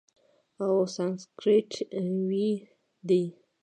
او سانسکریت ویی دی،